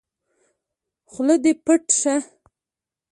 خوله دې پټّ شه!